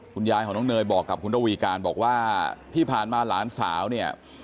คุณยายของน้องเนยบอกกับคุณระวีการบอกว่าที่ผ่านมาหลานสาวเนี่ย